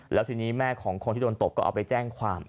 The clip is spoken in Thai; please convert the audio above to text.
แล้วหลังที่นี่แม่ของคนตบเขาไปแจ้งความ